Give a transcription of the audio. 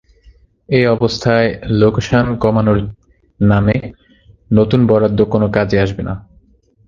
এ অবস্থায় লোকসান কমানোর নামে নতুন বরাদ্দ কোনো কাজে আসবে না।